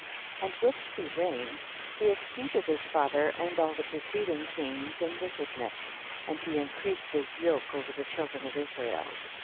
8. And whilst he reigned he ex ceeded his father and all the preced ing kings in wickedness, and he in creased his yoke over the children of Israel.